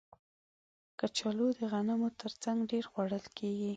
کچالو د غنمو تر څنګ ډېر خوړل کېږي